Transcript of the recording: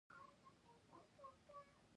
هندوکش د چاپېریال د تغیر نښه ده.